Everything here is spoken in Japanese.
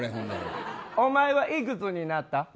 お前はいくつになった？